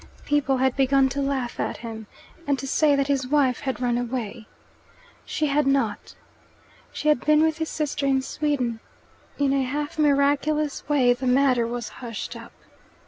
People had begun to laugh at him, and to say that his wife had run away. She had not. She had been with his sister in Sweden. In a half miraculous way the matter was hushed up.